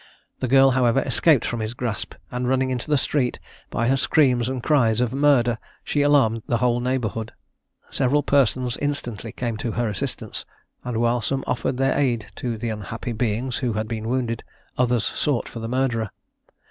The girl, however, escaped from his grasp, and running into the street, by her screams and cries of "murder," she alarmed the whole neighbourhood. Several persons instantly came to her assistance, and whilst some offered their aid to the unhappy beings who had been wounded, others sought for the murderer.